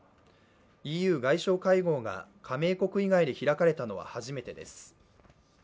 ＥＵ外相会合が加盟国以外で開かれたのは初めてです。